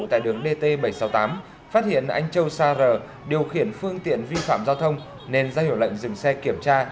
tại đường dt bảy trăm sáu mươi tám phát hiện anh châu sa rờ điều khiển phương tiện vi phạm giao thông nên ra hiệu lệnh dừng xe kiểm tra